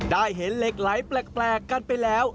ได้เห็นเหล็กไหลแปลกกันไปแล้ว